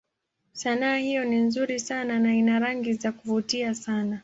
Sanaa hiyo ni nzuri sana na ina rangi za kuvutia sana.